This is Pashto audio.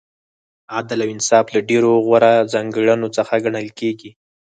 عدل او انصاف له ډېرو غوره ځانګړنو څخه ګڼل کیږي.